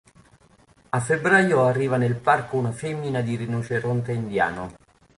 A febbraio arriva nel parco una femmina di rinoceronte indiano.